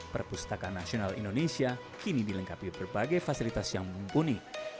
perpustakaan nasional indonesia kini dilengkapi berbagai fasilitas yang mumpuni